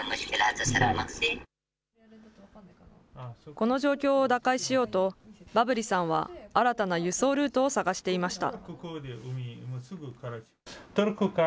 この状況を打開しようと、バブリさんは新たな輸送ルートを探していました。